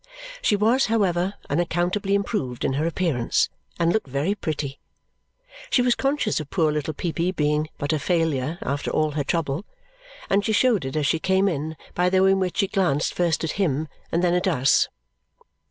She was, however, unaccountably improved in her appearance and looked very pretty. She was conscious of poor little Peepy being but a failure after all her trouble, and she showed it as she came in by the way in which she glanced first at him and then at us.